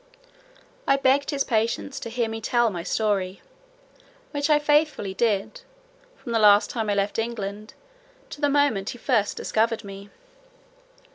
I begged his patience to hear me tell my story, which I faithfully did, from the last time I left England, to the moment he first discovered me.